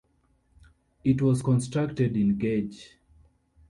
It was constructed in gauge.